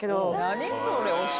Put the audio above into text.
何それ。